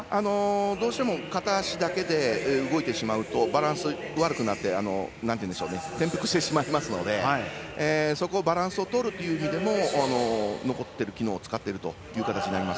どうしても片足だけで動いてしまうとバランスが悪くなって転覆してしまいますのでバランスをとる意味でも残っている機能を使っているという形です。